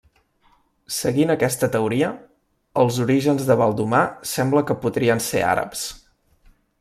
Seguint aquesta teoria, els orígens de Baldomar sembla que podrien ser àrabs.